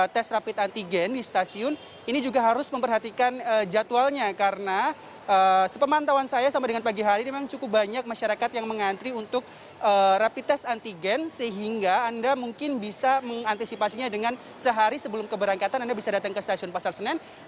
tes rapid antigen di stasiun ini juga harus memperhatikan jadwalnya karena sepemantauan saya sampai dengan pagi hari ini memang cukup banyak masyarakat yang mengantri untuk rapid test antigen sehingga anda mungkin bisa mengantisipasinya dengan sehari sebelum keberangkatan anda bisa datang ke stasiun pasar senen